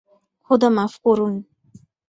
খোদা মাফ করুন!